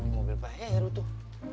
mobil pak heru tuh